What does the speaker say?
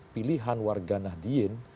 pilihan warga nahdien